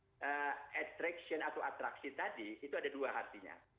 menurut kbbi perusahaan bahasa indonesia attraction atau atraksi tadi itu ada dua artinya